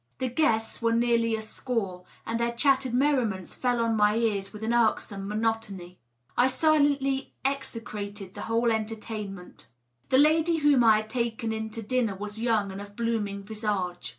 The guests were nearly a score, and their chattered merriments fell on my ears with an irksome monotony. I silently execrated the whole entertainment. The lady whom 1 had taken in to dinner was young and of blooming visage.